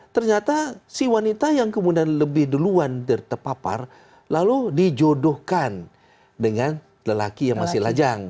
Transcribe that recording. karena si wanita yang kemudian lebih duluan tertepapar lalu dijodohkan dengan lelaki yang masih lajang